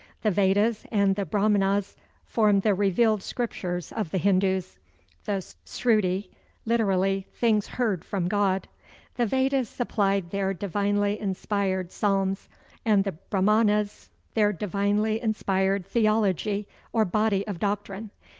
The Vedas and the Brahmanas form the revealed Scriptures of the Hindus the sruti, literally "Things heard from God." The Vedas supplied their divinely inspired psalms, and the Brahmanas their divinely inspired theology or body of doctrine.